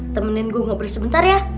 temenin gue ngobrol sebentar ya